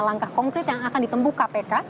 langkah konkret yang akan ditempuh kpk